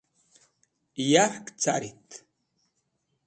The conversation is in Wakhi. yark carit